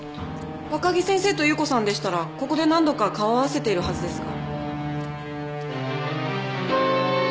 若木先生と夕子さんでしたらここで何度か顔を合わせているはずですが。